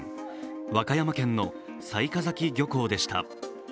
和歌山県の雑賀崎漁港でした。